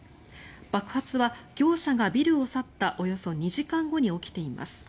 爆発は業者がビルを去ったおよそ２時間後に起きています。